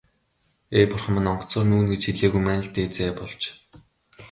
Ээ, бурхан минь, онгоцоор нүүнэ гэж хэлээгүй маань л дээд заяа болж.